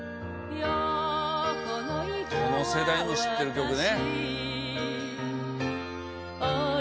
どの世代も知ってる曲ね。